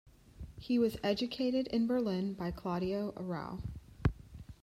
He was educated in Berlin by Claudio Arrau.